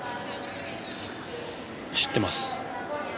知ってます。